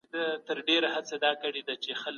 کله چې تقاضا زياته وي عرضه ژر جذبيږي.